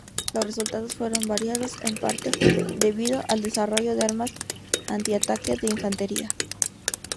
Los resultados fueron variados en parte debido al desarrollo de armas antitanque de infantería.